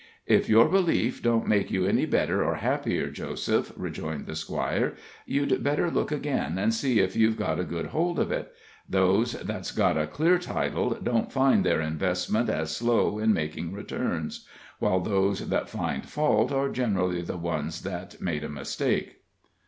"If your belief don't make you any better or happier, Joseph," rejoined the Squire, "you'd better look again and see if you've got a good hold of it; those that's got a clear title don't find their investment as slow in making returns, while those that find fault are generally the ones that's made a mistake."